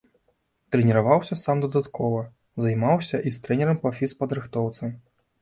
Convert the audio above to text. Трэніраваўся сам дадаткова, займаўся і з трэнерам па фізпадрыхтоўцы.